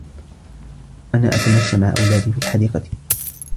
أنا أتمشى مع أولادي في الحديقة.